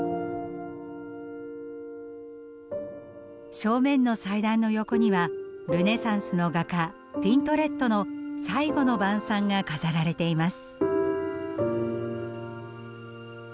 正面の祭壇の横にはルネサンスの画家ティントレットの「最後の晩餐」が飾られています。